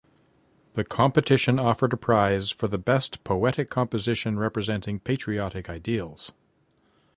The competition offered a prize for the best poetic composition representing patriotic ideals.